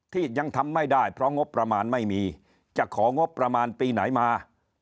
ที่ยังทำไม่ได้เพราะงบประมาณไม่มีจะของงบประมาณปีไหนมา